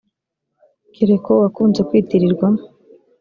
Kérékou wakunze kwitirirwa